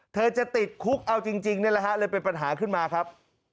เธอจะติดคุกเอาจริงนี่แหละฮะเลยเป็นปัญหาขึ้นมาครับ